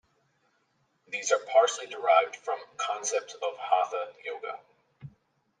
These are partially derived from concepts of Hatha yoga.